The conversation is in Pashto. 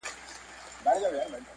زړه چې د ښکلو له چم لاړې نو مننه دې کوم